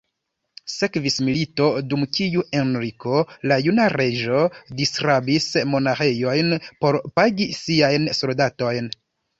Sekvis milito, dum kiu Henriko la Juna Reĝo disrabis monaĥejojn por pagi siajn soldatojn.